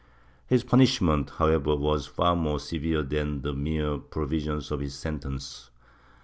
His punishment, however, was far more severe Chap. V] DELUSION 79 than the mere provisions of his sentence.